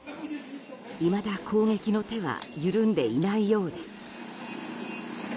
いまだ攻撃の手は緩んでいないようです。